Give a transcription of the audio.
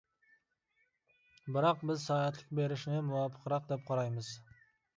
بىراق بىز سائەتلىك بېرىشنى مۇۋاپىقراق دەپ قارايمىز.